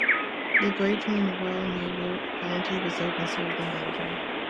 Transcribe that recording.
De Grey joined the Royal Naval Volunteer Reserve and served in Belgium.